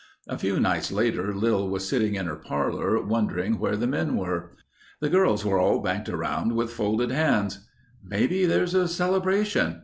A few nights later Lil was sitting in her parlor wondering where the men were. The girls were all banked around with folded hands. "Maybe there's a celebration...."